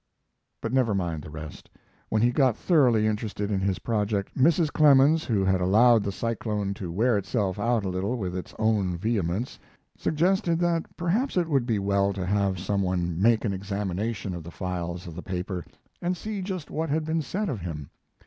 But never mind the rest. When he had got thoroughly interested in his project Mrs. Clemens, who had allowed the cyclone to wear itself out a little with its own vehemence, suggested that perhaps it would be well to have some one make an examination of the files of the paper and see just what had been said of him.